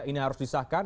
ini harus disahkan